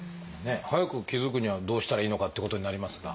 早く気付くにはどうしたらいいのかっていうことになりますが。